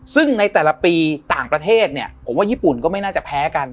ซึ่งในแต่ละปีต่างประเทศเนี่ยผมว่าญี่ปุ่นก็ไม่น่าจะแพ้กัน